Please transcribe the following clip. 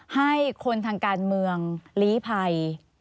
ให้คนทางการเมืองลีภัย